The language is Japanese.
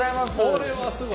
これはすごい。